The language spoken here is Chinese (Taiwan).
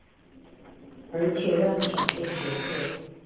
而且讓長輩學會